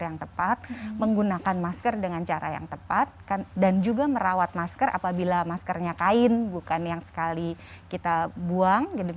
yang tepat menggunakan masker dengan cara yang tepat dan juga merawat masker apabila maskernya kain bukan yang sekali kita buang